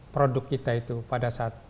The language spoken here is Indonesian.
produk kita itu pada saat